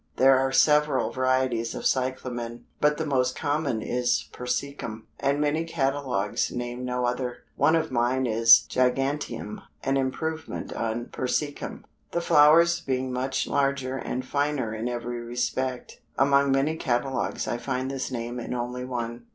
There are several varieties of Cyclamen, but the most common is persicum, and many catalogues name no other. One of mine is gigantium, an improvement on persicum, the flowers being much larger and finer in every respect. Among many catalogues I find this named in only one.